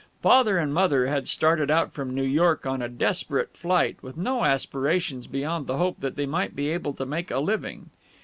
Father and Mother had started out from New York on a desperate flight, with no aspirations beyond the hope that they might be able to make a living.